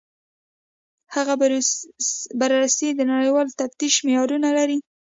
هغه بررسي د نړیوال تفتیش معیارونه لري.